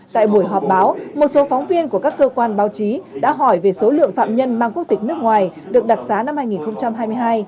tại buổi họp báo một số phóng viên của các cơ quan báo chí đã hỏi về số lượng phạm nhân mang quốc tịch nước ngoài được đặc giá năm hai nghìn hai mươi hai